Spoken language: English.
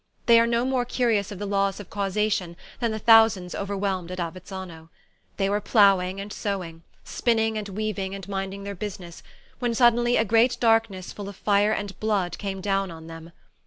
They are no more curious of the laws of causation than the thousands overwhelmed at Avezzano. They were ploughing and sowing, spinning and weaving and minding their business, when suddenly a great darkness full of fire and blood came down on them.